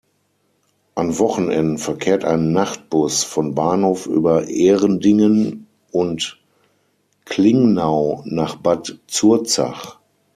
An Wochenenden verkehrt ein Nachtbus von Bahnhof über Ehrendingen und Klingnau nach Bad Zurzach.